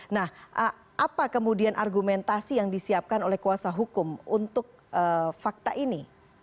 nah apa kemudian argumentasi yang disiapkan oleh kuasa hukum untuk fakta ini